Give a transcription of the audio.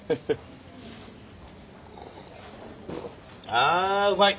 あうまい！